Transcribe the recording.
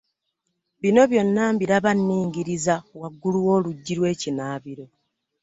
Bino byonna mbiraba nningiriza waggulu w'oluggi lw'ekinaabiro.